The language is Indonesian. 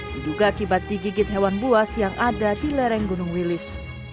diduga akibat digigit hewan buas yang ada di lereng gunung wilis